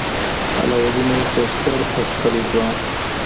علاوالدین اوس یو ستر او ښکلی ځوان و.